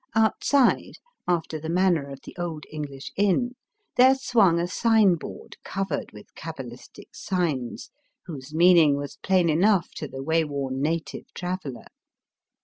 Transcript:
Outside, after the manner of the old English iim, there swung a sign board covered with cabalistic signs, whose meaning was plain enough to the way worn native traveller.